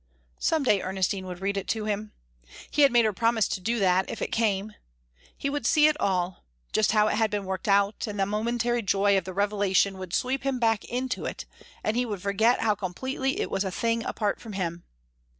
Some day Ernestine would read it to him. He had made her promise to do that, if it came. He would see it all just how it had been worked out, and the momentary joy of the revelation would sweep him back into it and he would forget how completely it was a thing apart from him.